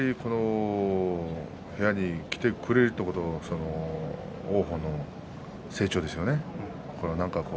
部屋に来てくれるということ、王鵬の成長ですよね。